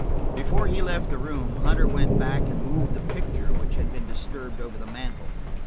Before he left the room, Hunter went back and moved the picture which had been disturbed over the mantel.